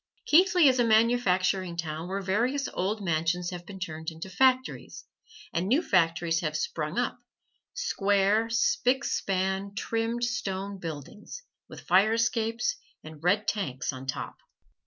Keighley is a manufacturing town where various old mansions have been turned into factories, and new factories have sprung up, square, spick span, trimmed stone buildings, with fire escapes and red tanks on top.